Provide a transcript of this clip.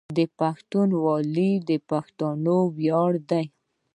پښتونولي د پښتنو ویاړ ده.